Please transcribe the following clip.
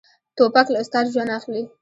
توپک له استاد ژوند اخلي.